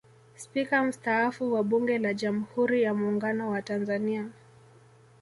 Spika mstaafu wa Bunge la Jamhuri ya Muungano wa Tanzania